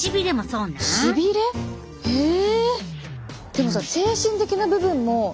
でもさ精神的な部分も。